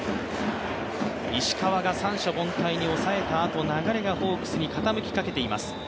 石川が三者凡退に抑えたあと流れがホークスに傾きかけています。